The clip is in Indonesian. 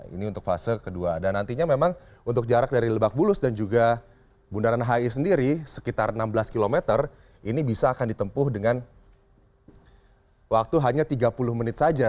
ini untuk fase kedua dan nantinya memang untuk jarak dari lebak bulus dan juga bundaran hi sendiri sekitar enam belas km ini bisa akan ditempuh dengan waktu hanya tiga puluh menit saja